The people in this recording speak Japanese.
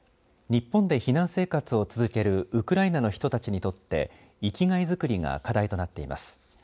日本で避難生活を続けるウクライナの人たちにとって生きがい作りが課題となっています。